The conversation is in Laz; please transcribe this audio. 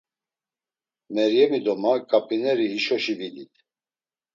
Meryemi do ma ǩap̌ineri hişoşi vidit.